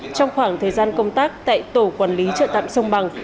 trong khoảng thời gian công tác tại tổ quản lý chợ tạm sông bằng